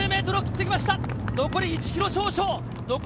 残り１ｋｍ少々。